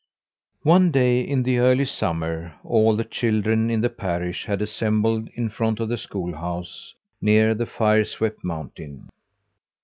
One day in the early summer all the children in the parish had assembled in front of the schoolhouse near the fire swept mountain.